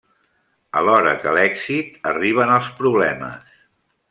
Alhora que l'èxit, arriben els problemes.